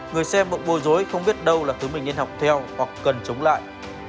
người xem bộ bồi dối không biết đâu là thứ mình nên học theo hoặc cần chống lại